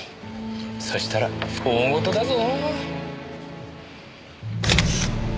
そしたら大事だぞ。